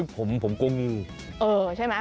ผมกลัวมี